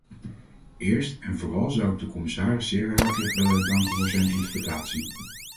Eerst en vooral zou ik de commissaris zeer hartelijk willen danken voor zijn interpretatie.